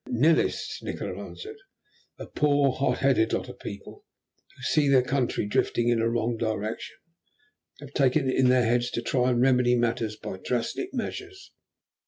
"Nihilists," Nikola answered. "A poor, hot headed lot of people, who, seeing their country drifting in a wrong direction, have taken it into their heads to try and remedy matters by drastic measures.